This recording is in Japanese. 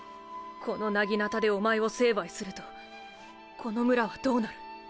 この薙刀でおまえを成敗するとこの村はどうなる？